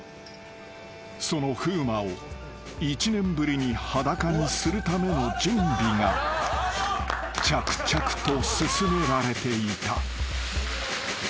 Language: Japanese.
［その風磨を一年ぶりに裸にするための準備が着々と進められていた］